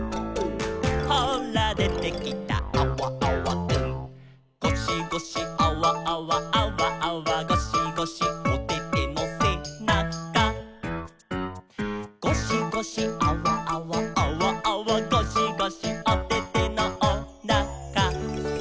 「ほらでてきたアワアワくん」「ゴシゴシアワアワアワアワゴシゴシ」「おててのせなか」「ゴシゴシアワアワアワアワゴシゴシ」「おててのおなか」